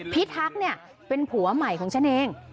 พิทักเป็นผัวใหม่ของฉันเอง